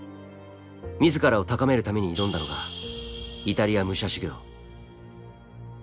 自らを高めるために挑んだのがイタリア武者修行。